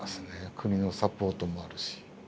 国のサポートもあるし。